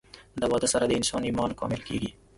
د واده سره د انسان ايمان کامل کيږي